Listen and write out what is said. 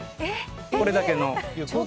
これだけの。